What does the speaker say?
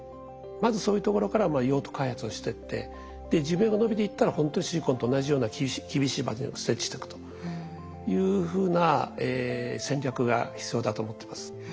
まずそういうところから用途開発をしてって寿命がのびていったらほんとにシリコンと同じような厳しい場所に設置していくというふうな戦略が必要だと思ってます。